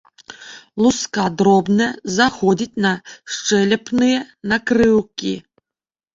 Луска дробная, заходзіць на шчэлепныя накрыўкі.